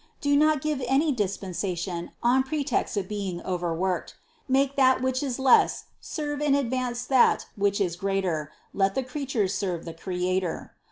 Do not give any dispensation on pretext of being overworked. Make that which is less serve and advance that which is the greater, let the creatures serve the Cre ator.